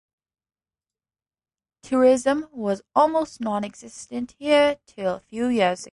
Tourism was almost non-existent here till a few years ago.